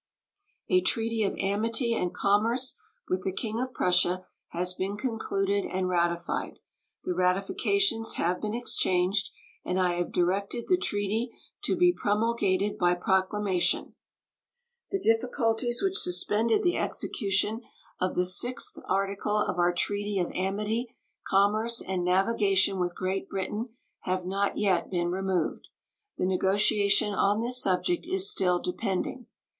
A treaty of amity and commerce with the King of Prussia has been concluded and ratified. The ratifications have been exchanged, and I have directed the treaty to be promulgated by proclamation. The difficulties which suspended the execution of the 6th article of our treaty of amity, commerce, and navigation with Great Britain have not yet been removed. The negotiation on this subject is still depending.